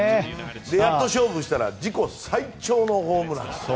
やっと勝負したら自己最長のホームラン。